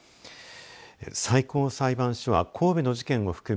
最高裁判所は神戸の事件を含む